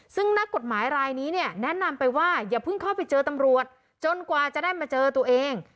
ซึ่งนักกฎหมายรายนี้เนี่ยแนะนำไปว่าอย่าเพิ่งเข้าไปเจอตำรวจจนกว่าจะได้มาเจอตัวเอง